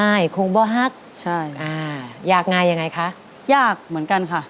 ใช่คงบ่ฮักใช่อ่ายากง่ายยังไงคะยากเหมือนกันค่ะ